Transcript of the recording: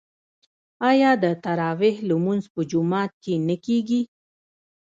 آیا د تراويح لمونځ په جومات کې نه کیږي؟